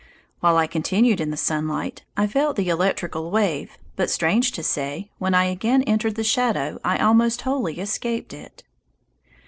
While I continued in the sunlight I felt the electrical wave, but, strange to say, when I again entered the shadow I almost wholly escaped it.